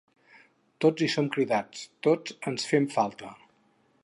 Tots hi som cridats, tots ens fem falta.